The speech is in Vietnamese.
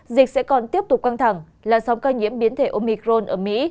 dịch sẽ còn tiếp tục căng thẳng làn sóng ca nhiễm biến thể omicron ở mỹ